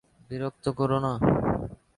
বিরক্ত কোরো না।